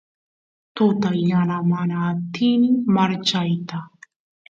tuta yana mana atini marchayta